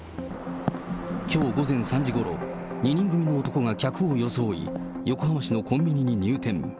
きょう午前３時ごろ、２人組の男が客を装い、横浜市のコンビニに入店。